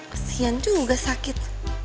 kasihan juga sakit